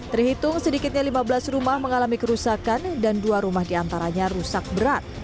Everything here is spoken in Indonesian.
terhitung sedikitnya lima belas rumah mengalami kerusakan dan dua rumah diantaranya rusak berat